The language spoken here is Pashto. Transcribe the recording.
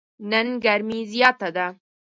نن ګرمي زیاته ده.